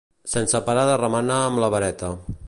sense parar de remenar amb la vareta